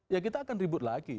ya kita akan ribut lagi